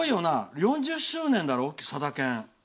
４０周年だろ、さだ研。